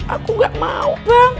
aku gak mau bang